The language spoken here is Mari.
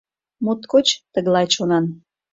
Моткоч тыглай чонан.